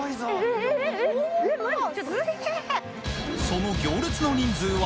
その行列の人数は？